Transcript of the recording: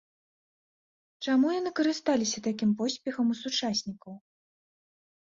Чаму яны карысталіся такім поспехам у сучаснікаў?